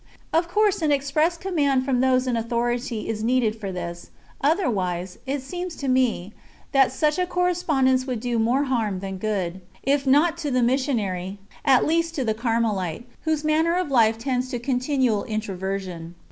Of course an express command from those in authority is needed for this, otherwise, it seems to me, that such a correspondence would do more harm than good, if not to the missionary, at least to the Carmelite, whose manner of life tends to continual introversion.